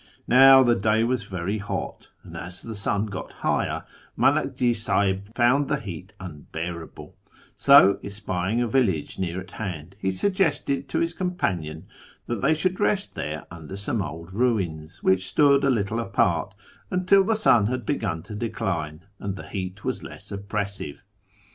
Now the day was very hot, and as the sun got higher, Manakji Sahib found the heat unbearable ; so, espying a village near at hand, he suggested to his companion that they should rest there under some old [ruins, which stood a little apart, until the sun had begun to decline and the heat was less oppressive.